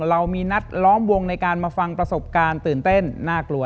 เรามีนัดล้อมวงในการมาฟังประสบการณ์ตื่นเต้นน่ากลัว